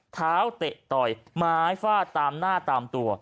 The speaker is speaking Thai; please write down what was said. เตะต่อยไม้ฟาดตามหน้าตามตัว